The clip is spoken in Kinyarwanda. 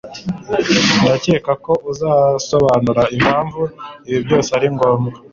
ndakeka ko uzasobanura impamvu ibi byose ari ngombwa